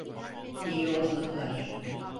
İyi yolculuklar.